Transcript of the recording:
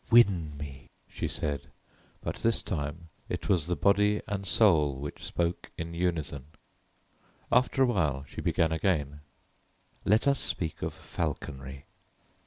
"Win me," she said, but this time it was the body and soul which spoke in unison. After a while she began again: "Let us speak of falconry."